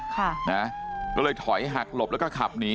ค่ะนะก็เลยถอยหักหลบแล้วก็ขับหนี